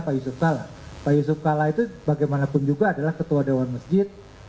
pak yusuf kalla pak yusuf kalla itu bagaimanapun juga adalah ketua dewan masjid